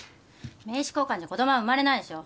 名刺交換じゃ子供は生まれないでしょ。